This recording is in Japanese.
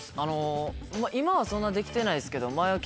今はそんなできてないですけど。